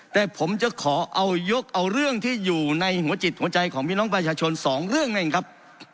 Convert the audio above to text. แต่ผมจะขอเอายกเอาเรื่องที่อยู่ในหัวจิตหัวใจของพี่น้องประชาชนสองเรื่องนั่นเองครับ